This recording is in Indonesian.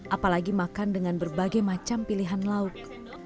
apalagi makan dengan berbagai macam pilihan lauk